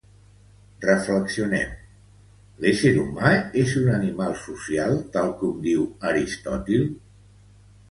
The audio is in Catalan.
Reflexionem: l'ésser humà, és un animal social, tal com diu Aristòtil?